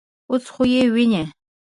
_اوس خو يې وينې.